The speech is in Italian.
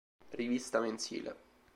Rivista mensile.